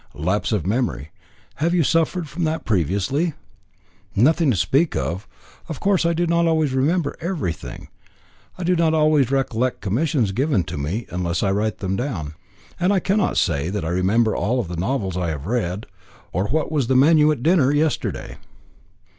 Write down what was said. "Lapse of memory. Have you ever suffered from that previously?" "Nothing to speak of. Of course I do not always remember everything. I do not always recollect commissions given to me, unless I write them down. And I cannot say that I remember all the novels I have read, or what was the menu at dinner yesterday."